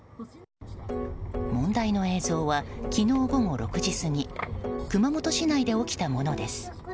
問題の映像は、昨日午後６時過ぎ熊本市内で起きたものです。